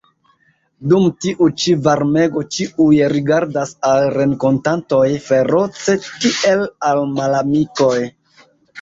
Dum tiu ĉi varmego ĉiuj rigardas al renkontatoj feroce, kiel al malamikoj.